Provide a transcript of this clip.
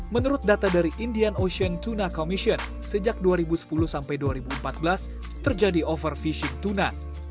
menurut data dari indian ocean tuna commission sejak dua ribu sepuluh sampai dua ribu empat belas terjadi overfishing tuna